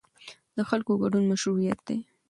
د خلکو ګډون مشروعیت دی